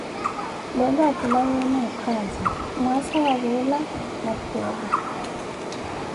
leelo akilaweene okaazi, mwaasa wa vuula and pheevo